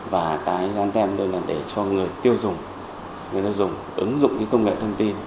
và cái dán tem đây là để cho người tiêu dùng người tiêu dùng ứng dụng cái công nghệ thông tin